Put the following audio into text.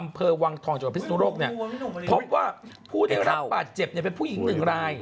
อำเภอวังทองจากพฤศนุรกษ์เพราะว่าผู้ได้รับบาดเจ็บเป็นผู้หญิงหนึ่งราย